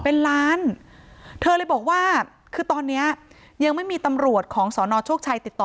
เป็นล้านเธอเลยบอกว่าคือตอนเนี้ยยังไม่มีตำรวจของสนโชคชัยติดต่อ